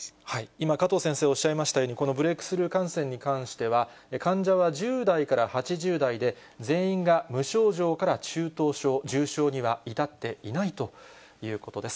今、加藤先生おっしゃいましたように、このブレークスルー感染に関しては、患者は１０代から８０代で、全員が無症状から中等症、重症には至っていないということです。